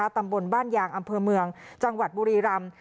ตำบลบ้านยางอำเภอเมืองจังหวัดบุรีรำ